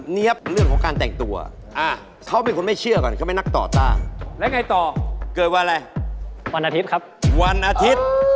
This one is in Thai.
เดี๋ยวนะค่ะเดี๋ยวครับสิ